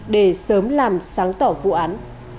để sớm làm sáng tỏ vụ án